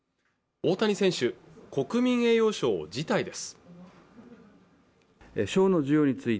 大谷選手国民栄誉賞を辞退です